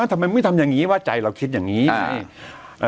ทำไมมึงไม่ทำอย่างงี้วะใจเราคิดอย่างงี้อ่า